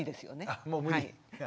あもう無理。